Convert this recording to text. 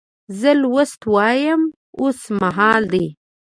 زه لوست وایم اوس مهال دی.